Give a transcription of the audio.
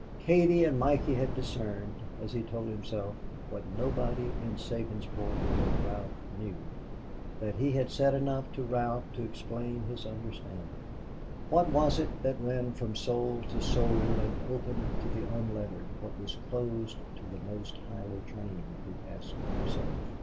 Katie and Mikey had discerned so he told himself what nobody in Sabinsport but Ralph knew, and he had said enough to Ralph to explain his understanding. What was it that ran from soul to soul and opened to the unlettered what was closed to the most highly trained, he asked himself.